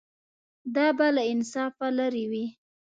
دا به له انصافه لرې وي.